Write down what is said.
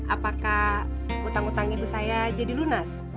apakah hutang hutang ibu saya jadi lunas